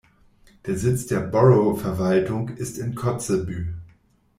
Der Sitz der Borough-Verwaltung ist in Kotzebue.